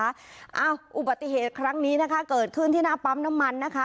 เอ้าอุบัติเหตุครั้งนี้นะคะเกิดขึ้นที่หน้าปั๊มน้ำมันนะคะ